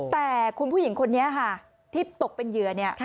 แต่คุณผู้หญิงคนนี้ที่ตกเป็นเหยื่อ